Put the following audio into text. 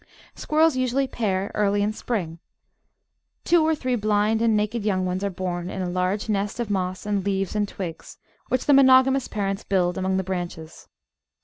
Squirrels usually pair early in spring. Natural Hlstoiy 465 Two or three blind and naked young ones are bom in a large nest of moss and leaves and twigs, which the monogamous par ents build among the branches.